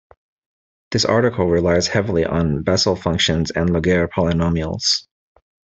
This article relies heavily on Bessel functions and Laguerre polynomials.